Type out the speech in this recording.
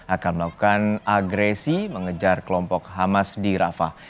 akan melakukan agresi mengejar kelompok hamas di rafah